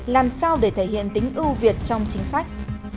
làm sao để thể hiện tính ưu việt trong chính sách